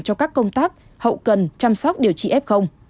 cho các công tác hậu cần chăm sóc điều trị f